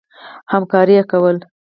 همکاري کوله.